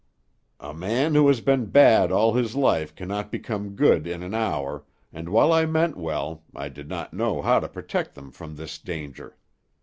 "A man who has been bad all his life cannot become good in an hour, and while I meant well, I did not know how to protect them from this danger.